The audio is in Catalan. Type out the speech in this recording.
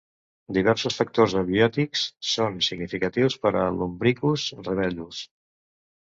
Diversos factors abiòtics són significatius per a "Lumbricus rubellus".